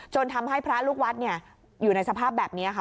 จนทำให้พระลูกวัดเนี้ยอยู่ในสภาพแบบเนี้ยค่ะ